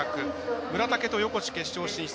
村竹と横地、決勝進出。